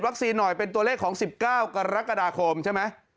หน่อยเป็นตัวเลขของ๑๙กรกฎาคมใช่ไหม